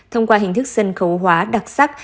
thông qua hình thức sân khấu hóa đặc sắc